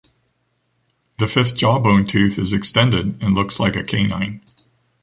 The fifth jawbone tooth is extended and looks like a canine.